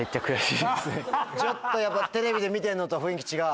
ちょっとやっぱテレビで見てるのとは雰囲気違う？